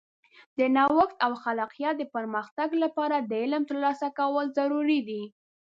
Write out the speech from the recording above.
د نوښت او خلاقیت د پرمختګ لپاره د علم ترلاسه کول ضروري دي.